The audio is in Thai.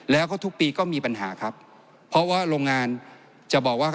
แล้วก็ทุกปีก็มีปัญหาครับเพราะว่าโรงงานจะบอกว่า